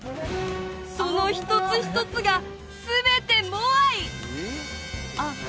その一つ一つが全てモアイ！